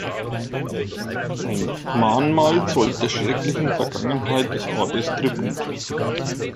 Ein Mahnmal zollt der schrecklichen Vergangenheit des Ortes Tribut.